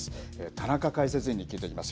田中解説委員に聞いていきます。